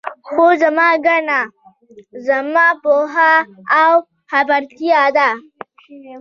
خو زما ګناه، زما پوهه او خبرتيا ده.